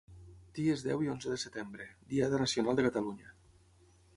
Dies deu i onze de setembre, Diada Nacional de Catalunya.